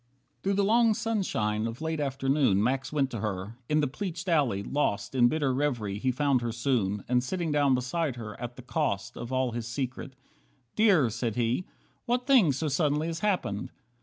39 Through the long sunshine of late afternoon Max went to her. In the pleached alley, lost In bitter reverie, he found her soon. And sitting down beside her, at the cost Of all his secret, "Dear," said he, "what thing So suddenly has happened?"